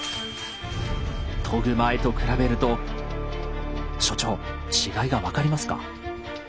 研ぐ前と比べると所長違いが分かりますか？